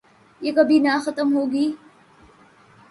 یہ کبھی ختم نہ ہوگی ۔